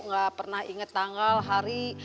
nggak pernah inget tanggal hari